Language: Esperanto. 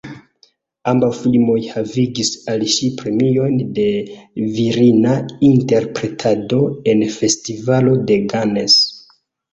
Ambaŭ filmoj havigis al ŝi premion de virina interpretado en Festivalo de Cannes.